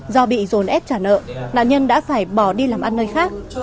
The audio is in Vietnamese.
do bị dồn ép trả nợ nạn nhân đã phải bỏ đi làm ăn nơi khác